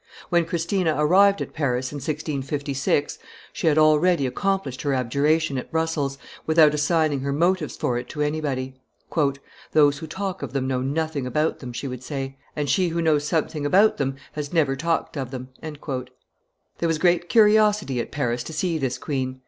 When Christina arrived at Paris, in 1656, she had already accomplished her abjuration at Brussels, without assigning her motives for it to anybody. "Those who talk of them know nothing about them," she would say; "and she who knows something about them has never talked of them." There was great curiosity at Paris to see this queen.